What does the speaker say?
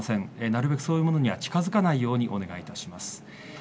なるべくそういうものには近づかないようにお願いします。